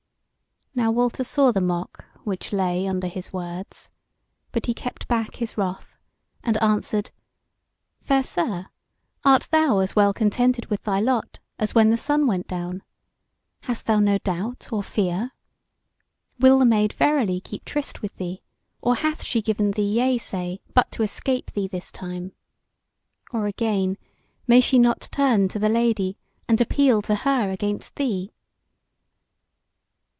Now Walter saw the mock which lay under his words; but he kept back his wrath, and answered: "Fair sir, art thou as well contented with thy lot as when the sun went down? Hast thou no doubt or fear? Will the Maid verily keep tryst with thee, or hath she given thee yea say but to escape thee this time? Or, again, may she not turn to the Lady and appeal to her against thee?"